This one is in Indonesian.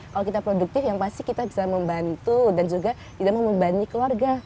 kalau kita produktif yang pasti kita bisa membantu dan juga tidak mau membebani keluarga